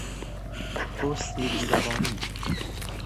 پست دیده بانی